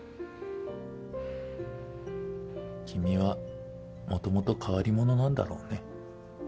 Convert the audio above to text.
君はもともと変わり者なんだろうね。